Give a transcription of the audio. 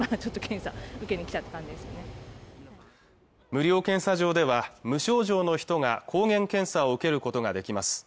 無料検査場では無症状の人が抗原検査を受けることができます